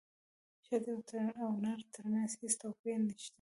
ښځې او نر ترمنځ هیڅ توپیر نشته